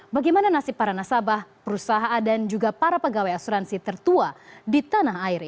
bagaimana nasib para nasabah perusahaan dan juga para pegawai asuransi tertua di tanah air